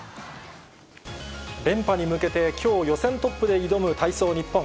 連覇に向けて、きょう予選トップで挑む体操ニッポン。